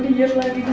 ibu jangan gigit ya